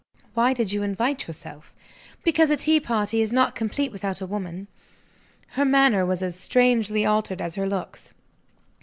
"Why did you invite yourself?" "Because a tea party is not complete without a woman." Her manner was as strangely altered as her looks.